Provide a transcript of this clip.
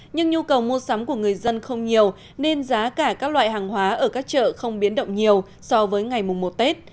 nhưng nhu cầu mua sắm của người dân không nhiều nên giá cả các loại hàng hóa ở các chợ không biến động nhiều so với ngày mùng một tết